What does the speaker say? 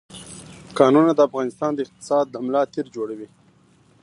کانونه د افغانستان د اقتصاد ملا تیر جوړوي.